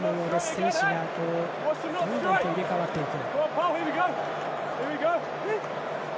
選手がどんどんと入れ替わっていく。